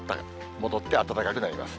戻って暖かくなります。